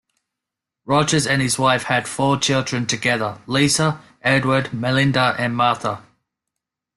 Rogers and his wife had four children together: Lisa, Edward, Melinda and Martha.